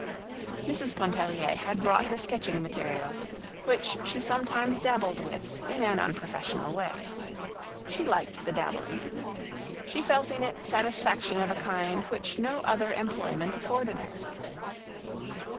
Mrs. Pontellier had brought her sketching materials, which she sometimes dabbled with in an unprofessional way. She liked the dabbling. She felt in it satisfaction of a kind which no other employment afforded her.